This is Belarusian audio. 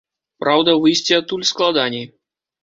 Праўда, выйсці адтуль складаней.